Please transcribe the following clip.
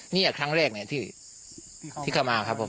นี่ครั้งแรกเนี่ยที่เข้ามาครับผม